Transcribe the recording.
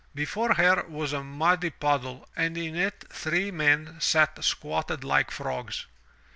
Before her was a muddy puddle and in it three men sat squatted like frogs.